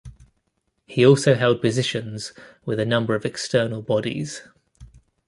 He also held positions with a number of external bodies.